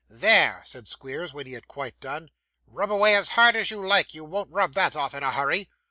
'There,' said Squeers, when he had quite done; 'rub away as hard as you like, you won't rub that off in a hurry.